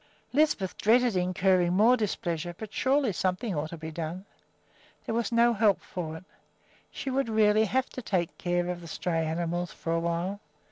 Lisbeth dreaded incurring more displeasure, but surely something ought to be done. There was no help for it; she would really have to take care of the stray animals for a while.